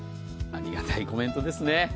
ありがたいコメントですね。